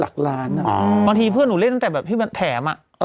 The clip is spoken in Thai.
อ๋อบางทีเพื่อนหนูเล่นตั้งแต่แบบแถมอะ